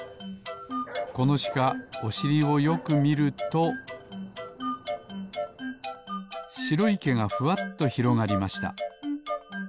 このしかおしりをよくみるとしろいけがふわっとひろがりました。